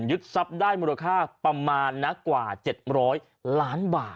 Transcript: ทรัพย์ได้มูลค่าประมาณกว่า๗๐๐ล้านบาท